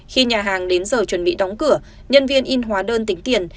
khi nhà hàng đến giờ chuẩn bị đóng cửa nhân viên in hóa đơn tính tiền